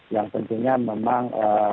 yang pentingnya memang